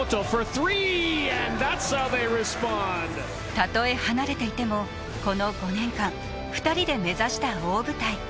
たとえ離れていてもこの５年間２人で目指した大舞台。